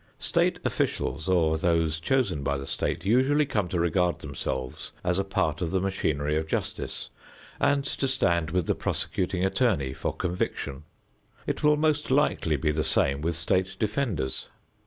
State officials, or those chosen by the state, usually come to regard themselves as a part of the machinery of justice and to stand with the prosecuting attorney for conviction. It will most likely be the same with state defenders.